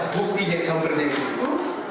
bukti yang sama sama itu